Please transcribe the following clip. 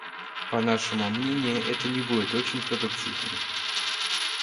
По нашему мнению, это не будет очень продуктивным.